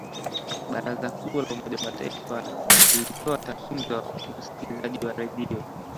baraza kuu la umoja wa mataifa lilitoa takwimu ya usikilizaji wa redio